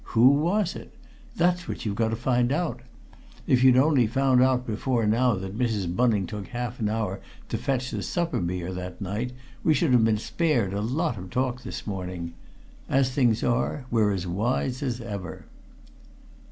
Who was it? That's what you've got to find out. If you'd only found out, before now, that Mrs. Bunning took half an hour to fetch the supper beer that night we should have been spared a lot of talk this morning. As things are, we're as wise as ever."